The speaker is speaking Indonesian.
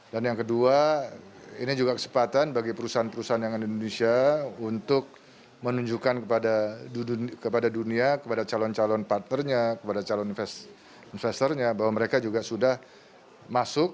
dan yang kedua ini juga kesempatan bagi perusahaan perusahaan yang ada di indonesia untuk menunjukkan kepada dunia kepada calon calon partnernya kepada calon investornya bahwa mereka juga sudah masuk